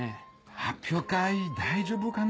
発表会大丈夫かな？